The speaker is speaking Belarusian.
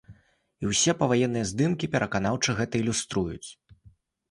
І ўсе паваенныя здымкі пераканаўча гэта ілюструюць.